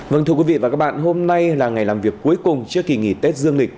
vâng thưa quý vị và các bạn hôm nay là ngày làm việc cuối cùng trước kỳ nghỉ tết dương lịch